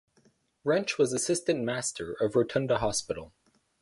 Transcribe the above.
Wrench was Assistant Master of Rotunda Hospital.